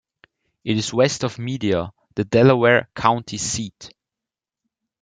It is west of Media, the Delaware County seat.